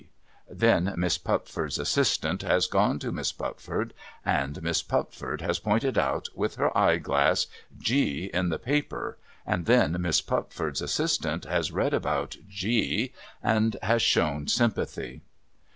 ' Then Miss Pupford's assistant has gone to Miss Pupford, and Miss Pupford has pointed out, with her eye glass, G in the paper, and then Miss Pupford's assistant has read about G, and has shown sympathy.